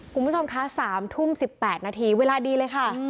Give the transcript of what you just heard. คุณผู้ชมคะ๓ทุ่ม๑๘นาทีเวลาดีเลยค่ะ